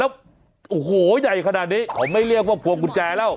แล้วโอ้โหใหญ่ขนาดนี้เขาไม่เรียกว่าพวงกุญแจแล้ว